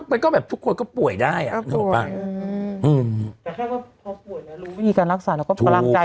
พี่พูดก็โทรมาเป็นกำลังใจกันอยู่นะ